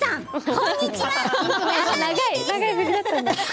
こんにちは。